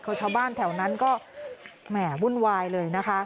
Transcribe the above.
คือชาวบ้านแถวนั้นก็แหม่วุ่นวายเลยนะคะ